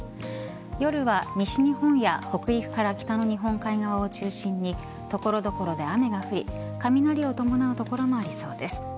夜は西日本や北陸から北の日本海側を中心に所々で雨が降り雷を伴う所もありそうです。